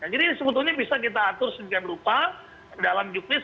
jadi sebetulnya bisa kita atur sedikit rupa dalam juknis